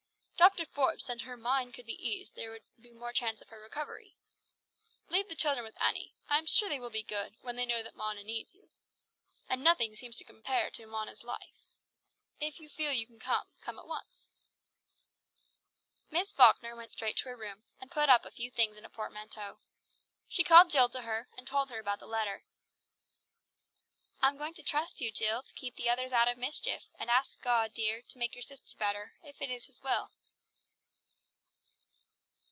Dr. Forbes says if her mind could be eased there would be more chance of her recovery. Leave the children with Annie. I am sure they will be good, when they know that Mona needs you. And nothing seems to matter in comparison with Mona's life. If you feel you can come, come at once." Miss Falkner went straight to her room, and put up a few things in a portmanteau. She called Jill to her, and told her about the letter. "I am going to trust you, Jill, to keep the others out of mischief, and ask God, dear, to make your sister better, if it is His will."